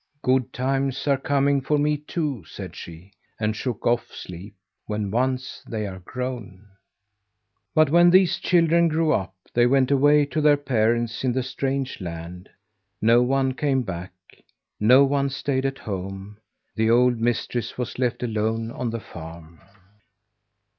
"Good times are coming for me, too," said she and shook off sleep "when once they are grown." But when these children grew up, they went away to their parents in the strange land. No one came back no one stayed at home the old mistress was left alone on the farm.